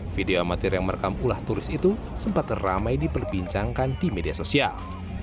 video amatir yang merekam ulah turis itu sempat ramai diperbincangkan di media sosial